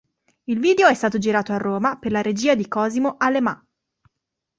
Il video è stato girato a Roma per la regia di Cosimo Alemà.